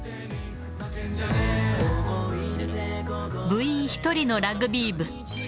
部員１人のラグビー部。